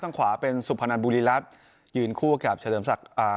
ขวาเป็นสุพนันบุรีรัตน์ยืนคู่กับเฉลิมศักดิ์อ่า